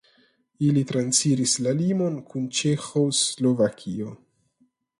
Ili transiras la limon kun Ĉeĥoslovakio.